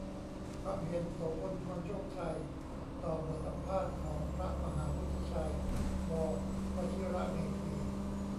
ความเห็น โสภณ พรโชคชัย ต่อบทสัมภาษณ์ของพระมหาวุฒิชัย ว.วชิรเมธี